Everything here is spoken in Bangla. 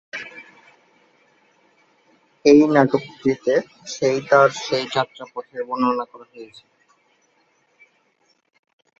এই নাটকটিতে সেই তাঁর সেই যাত্রাপথের বর্ণনা করা হয়েছে।